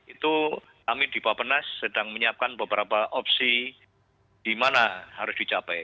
itu kami di bapenas sedang menyiapkan beberapa opsi di mana harus dicapai